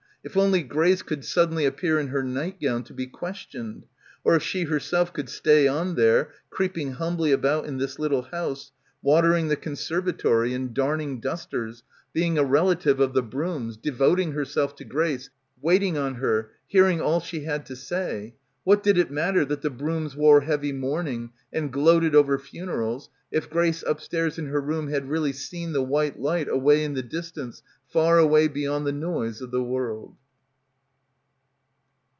If only Grace could suddenly appear in her night gown, to be questioned. Or if she herself could stay on there creeping humbly about in this little house, watering the conservatory and darning dusters, being a relative of the Brooms, devoting herself to Grace, waiting on her, hearing all she had to say. What did it matter that the Brooms wore heavy mourning and gloated over funerals — 194 — BACKWATER if Grace upstairs in her room had really seen the white light away in the distance far away beyond the noise of the world?